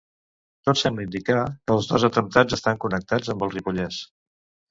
Tot sembla indicar que els dos atemptats estan connectats amb el Ripollès.